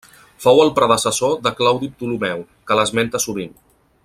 Fou el predecessor de Claudi Ptolemeu, que l'esmenta sovint.